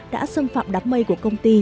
đã xâm phạm đáp mây của công ty